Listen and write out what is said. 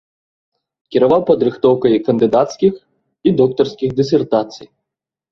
Кіраваў падрыхтоўкай кандыдацкіх і доктарскіх дысертацый.